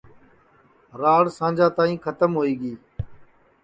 راڑ سانجا تائی کھتم ہوئی گی